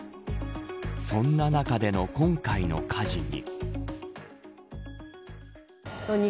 そんな中での今回の火事に。